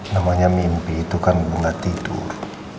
namanya mimpi itu kan bunga tidur